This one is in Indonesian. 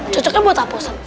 cocoknya buat apa usah